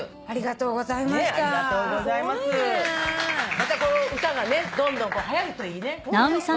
またこの歌がねどんどんはやるといいね。